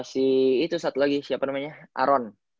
si itu satu lagi siapa namanya aron